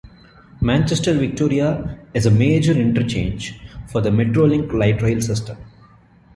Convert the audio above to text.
Manchester Victoria is a major interchange for the Metrolink light rail system.